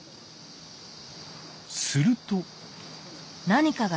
すると。